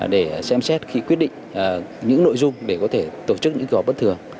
để xem xét khi quyết định những nội dung để có thể tổ chức những kỳ họp bất thường